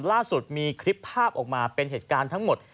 ล่าสุดมีคลิปภาพออกมาเป็นเหตุการณ์ทั้งหมด